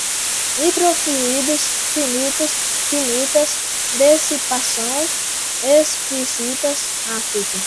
microfluidos, finitos, finitas, dissipação, explícitas, atrito